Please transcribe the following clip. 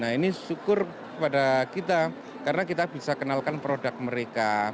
nah ini syukur kepada kita karena kita bisa kenalkan produk mereka